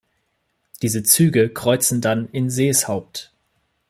Diese Züge kreuzen dann in Seeshaupt.